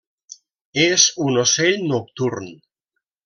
És un ocell nocturn.